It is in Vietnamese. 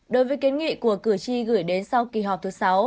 đối với kiến nghị của cử tri gửi đến sau kỳ họp thứ sáu